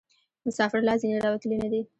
مسافر لا ځني راوتلي نه دي.